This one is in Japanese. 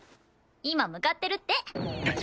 今向かってるって。